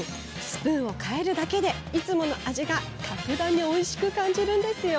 スプーンを替えるだけでいつもの味が、格段においしく感じるんですよ。